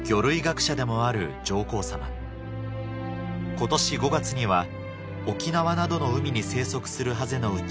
今年５月には沖縄などの海に生息するハゼのうち